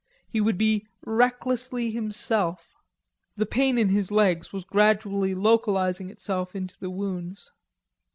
He would be recklessly himself. The pain in his legs was gradually localizing itself into the wounds.